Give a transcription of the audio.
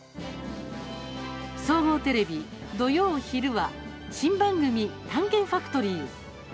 総合テレビ、土曜昼は新番組「探検ファクトリー」。